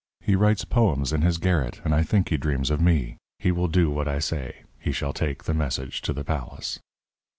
He writes poems in his garret, and I think he dreams of me. He will do what I say. He shall take the message to the palace."